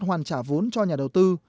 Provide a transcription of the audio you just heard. hoàn trả vốn cho nhà đầu tư